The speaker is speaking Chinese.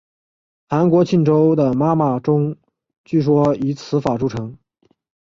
韩国庆州的妈妈钟据说以此法铸成。